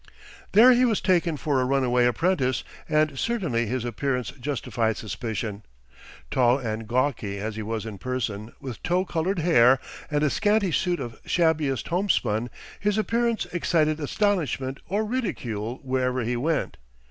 There he was taken for a runaway apprentice, and certainly his appearance justified suspicion. Tall and gawky as he was in person, with tow colored hair, and a scanty suit of shabbiest homespun, his appearance excited astonishment or ridicule wherever he went.